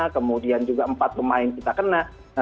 kemudian juga empat pemain kita kena